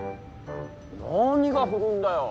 何が古いんだよ。